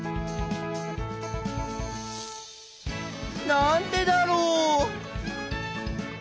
なんでだろう？